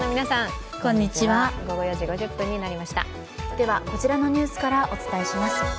では、こちらのニュースからお伝えします。